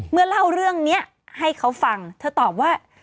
เล่าเรื่องนี้ให้เขาฟังเธอตอบว่า